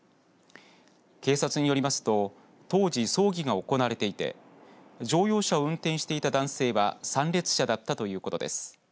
警察によりますと当時、葬儀が行われていて乗用車を運転していた男性は参列者だったということです。